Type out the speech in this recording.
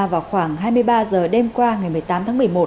vào khoảng hai mươi ba h đêm qua ngày một mươi tám tháng một mươi một